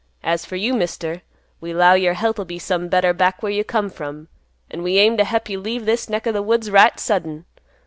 As fer you, Mister, we 'low your health'll be some better back where you come from; an' we aim t' hep you leave this neck o' th' woods right sudden.